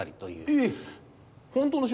ええ。